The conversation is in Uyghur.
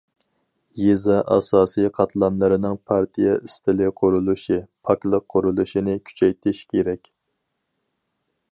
يېزا ئاساسىي قاتلاملىرىنىڭ پارتىيە ئىستىلى قۇرۇلۇشى، پاكلىق قۇرۇلۇشىنى كۈچەيتىش كېرەك.